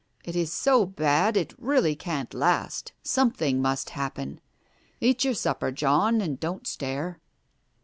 It is so bad, it really can't last — something must happen. Eat your supper, John, and don't stare."